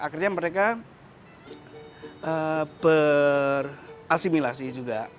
akhirnya mereka berasimilasi juga